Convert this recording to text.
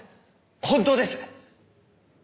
本当です！